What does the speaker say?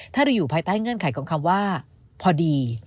ถ้าเราอยู่ภายใต้เงื่อนไขของคำว่าพอดี